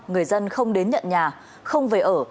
người dân không đến nhận nhà không về ở